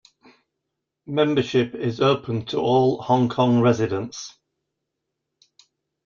Membership is open to all Hong Kong residents.